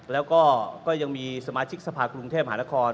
แล้วก็ยังมีสมาชิกสภาคกรุงเทพหานคร